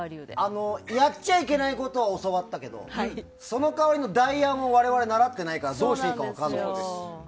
やっちゃいけないことは教わったけどその代わりの代案を我々習ってないからどうしたらいいか分からない。